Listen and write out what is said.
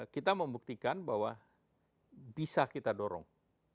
kita membuktikan bahwa bisa kita dorong